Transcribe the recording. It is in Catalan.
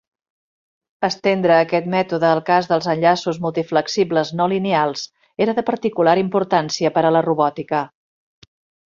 Estendre aquest mètode al cas dels enllaços multiflexibles no lineals era de particular importància per a la robòtica.